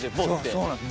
そうなんです。